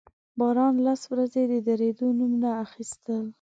باران لس ورځې د درېدو نوم نه اخيستل.